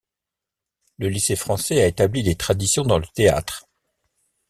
Le lycée français a établi des traditions dans le théâtre.